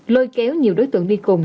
lôi kéo nhiều đối tượng đi cùng